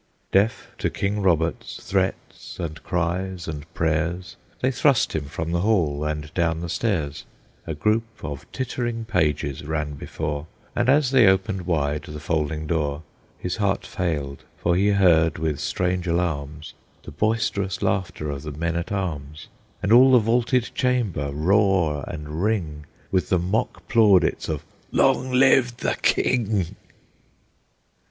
Deaf to King Robert's threats and cries and prayers, They thrust him from the hall and down the stairs; A group of tittering pages ran before, And as they opened wide the folding door, His heart failed, for he heard, with strange alarms, The boisterous laughter of the men at arms, And all the vaulted chamber roar and ring With the mock plaudits of "Long live the King!"